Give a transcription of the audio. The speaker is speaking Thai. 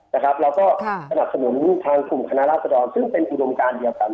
นะครับแล้วก็ตรัสหนุนทางคลุมค่าครราภาษาซึ่งเป็นอุดมการเดียวกัน